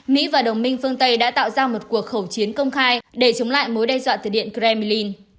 mỹ và đồng minh phương tây đã tạo ra một cuộc khẩu chiến công khai để chống lại mối đe dọa từ điện kremlin